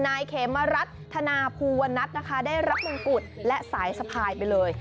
นายเขมรัฐธนาภูวนัทนะคะได้รับมงกุฎและสายสะพายไปเลย